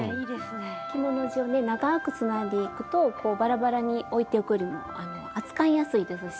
着物地をね長くつないでいくとバラバラにおいておくよりも扱いやすいですし。